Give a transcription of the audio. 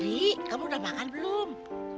beli kamu udah makan belum